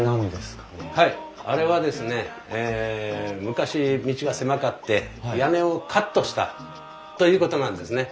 昔道が狭かって屋根をカットしたということなんですね。